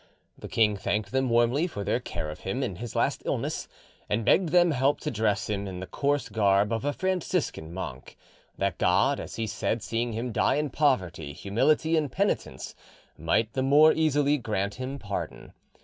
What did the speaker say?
The king thanked them warmly for their care of him in his last illness, and begged them help to dress him in the coarse garb of a Franciscan monk, that God, as he said, seeing him die in poverty, humility, and penitence, might the more easily grant him pardon.